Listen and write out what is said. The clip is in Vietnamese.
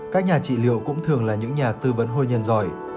các nhà trị liệu cũng thường là những nhà tư vấn hôn nhân giỏi